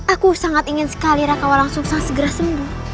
aku sangat ingin sekali raka walang sung sang segera sembuh